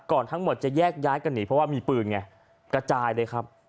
ทั้งหมดจะแยกย้ายกันหนีเพราะว่ามีปืนไงกระจายเลยครับ